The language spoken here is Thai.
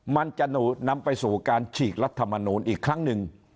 มันจะนำไปสู่การฉีกรัฐมนูลอีกครั้งหนึ่ง